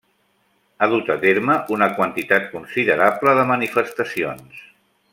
Ha dut a terme una quantitat considerable de manifestacions.